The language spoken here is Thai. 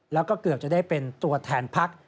แล้วก็เกือบจะได้เป็นตัวแทนพัก